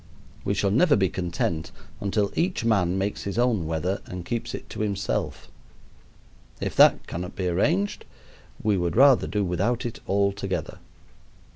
We shall never be content until each man makes his own weather and keeps it to himself. If that cannot be arranged, we would rather do without it altogether.